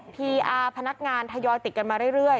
พีอาร์พนักงานทยอยติดกันมาเรื่อย